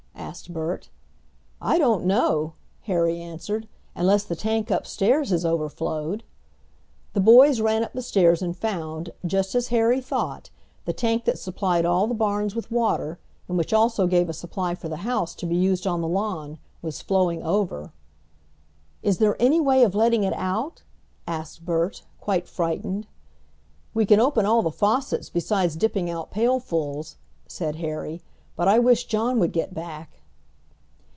asked Bert. "I don't know," Harry answered, "unless the tank upstairs has overflowed." The boys ran up the stairs and found, just as Harry thought, the tank that supplied all the barns with water, and which also gave a supply for the house to be used on the lawn, was flowing over. "Is there any way of letting it out?" asked Bert, quite frightened. "We can open all the faucets, besides dipping out pailfuls," said Harry. "But I wish John would get back."